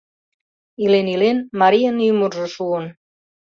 Илен-илен, марийын ӱмыржӧ шуын.